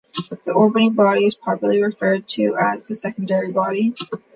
The orbiting body is properly referred to as the secondary body.